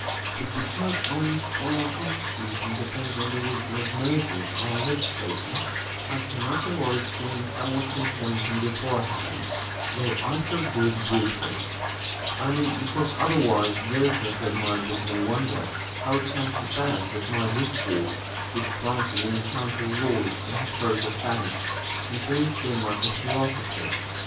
4. But because almost all our constitution depends on the wisdom of Moses, our legislator, I cannot avoid saying somewhat concerning him beforehand, though I shall do it briefly; I mean, because otherwise those that read my book may wonder how it comes to pass, that my discourse, which promises an account of laws and historical facts, contains so much of philosophy.